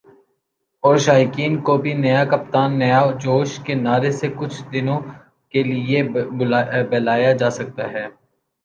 اور شائقین کو بھی "نیا کپتان ، نیا جوش" کے نعرے سے کچھ دنوں کے لیے بہلایا جاسکتا ہے